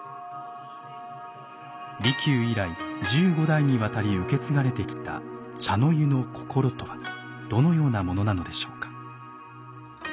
利休以来十五代にわたり受け継がれてきた茶の湯のこころとはどのようなものなのでしょうか。